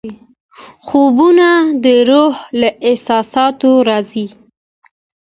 خوبونه د روح له احساساتو راځي.